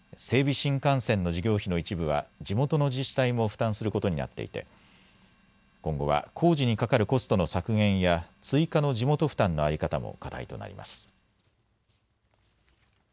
新幹線の事業費の一部は地元の自治体も負担することになっていて今後は工事にかかるコストの削減や追加の地元負担の在り方も課題となります。